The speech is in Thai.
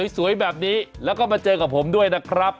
สวยแบบนี้แล้วก็มาเจอกับผมด้วยนะครับ